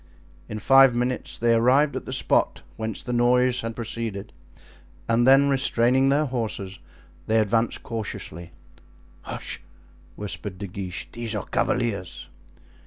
In five minutes they arrived at the spot whence the noise had proceeded, and then restraining their horses, they advanced cautiously. "Hush," whispered De Guiche, "these are cavaliers."